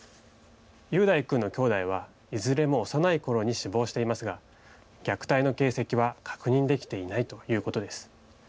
雄大君のきょうだいはいずれも幼いころに死亡していますが虐待の形跡は確認できていないということです。